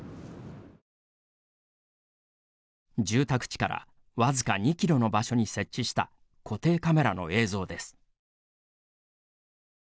住宅地から僅か２キロの場所に設置した固定カメラの映像です。